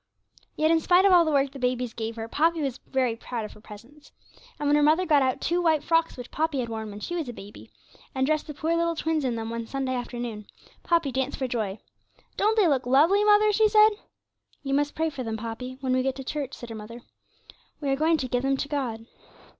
Yet, in spite of all the work the babies gave her, Poppy was very proud of her presents. And when her mother got out two white frocks which Poppy had worn when she was a baby, and dressed the poor little twins in them one Sunday afternoon, Poppy danced for joy. 'Don't they look lovely, mother?' she said. 'You must pray for them, Poppy, when we get to church,' said her mother. 'We are going to give them to God.'